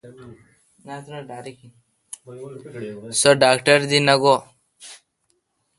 سو ڈاکٹر دی نہ گو° ۔